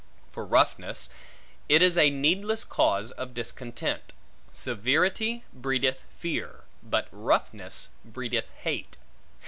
For roughness: it is a needless cause of discontent: severity breedeth fear, but roughness breedeth hate.